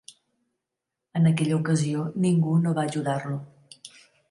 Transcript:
En aquella ocasió, ningú no va ajudar-lo.